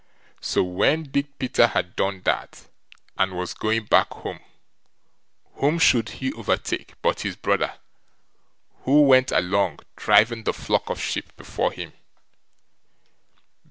So when Big Peter had done that, and was going back home, whom should he overtake but his brother, who went along driving the flock of sheep before him.